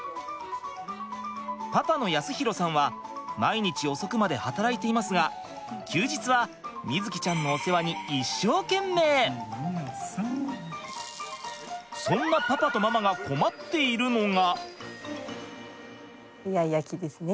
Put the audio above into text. パパの康広さんは毎日遅くまで働いていますが休日は瑞己ちゃんのそんなパパとママが困っているのが。